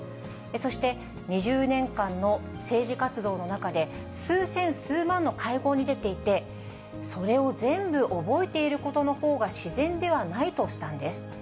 そして、２０年間の政治活動の中で、数千、数万の会合に出ていて、それを全部覚えていることのほうが自然ではないとしたんです。